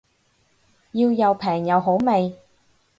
要又平又好味